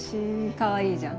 かわいいじゃん。